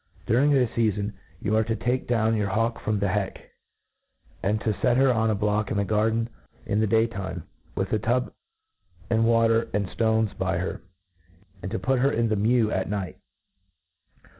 During .this feafon, you arc to take down your hawk from the heck, and to fet her on a block in the garden in the day time, with a tub ^^nd water and ftones by her, and to put her in thp me\jr at night.